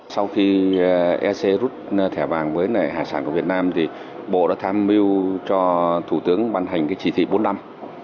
sau khi ec rút thẻ vàng với hải sản của việt nam thì bộ đã tham mưu cho thủ tướng ban hành chỉ thị bốn năm